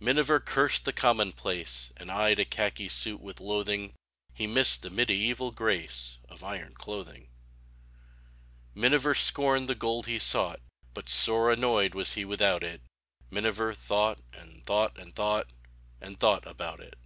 Miniver cursed the commonplace And eyed a khaki suit with loathing; He missed the mediaeval grace Of iron clothing. |98| i Miniver scorned the gold be sought, But sore annoyed was he without it; Miniver thought, and thought, and thought. And thought about it.